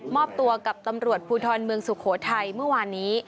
อบตัวกับตำรวจภูทรเมืองสุโขทัยเมื่อวานนี้